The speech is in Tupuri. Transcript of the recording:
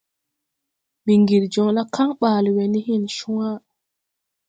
Mbiŋgiri joŋ la kaŋ ɓaale we ne hen cwã.